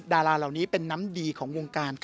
ดาราเหล่านี้เป็นน้ำดีของวงการ